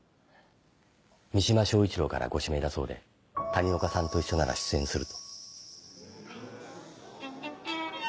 三島彰一郎からご指名だそうで谷岡さんと一緒なら出演すると。